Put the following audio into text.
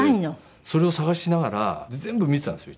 それを捜しながらで全部見てたんですよ